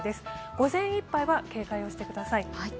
午前いっぱいは警戒をしてください。